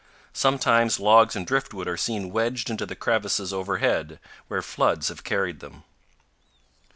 Sometimes logs and driftwood are seen wedged into the crevices over head, where floods have carried them.